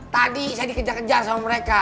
tadi saya dikejar kejar sama mereka